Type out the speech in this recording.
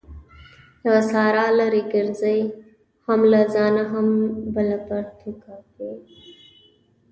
له سارا لري ګرځئ؛ هم له ځانه او هم بله پرتوګ کاږي.